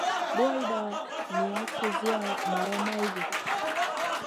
Duwayda niyn kusiya maraʼha maydi.